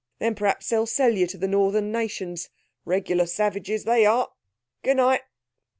Then perhaps they'll sell you to the Northern nations. Regular savages they are. Good night."